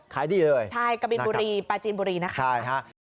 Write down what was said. ขายดีเลยนะครับใช่ครับใช่ครับกะบินบุรีปลาจีนบุรีนะครับ